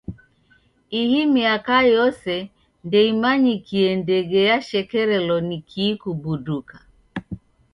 Ihi miaka yose ndeimanyikie ndege yashekerelo ni kii kubuduka.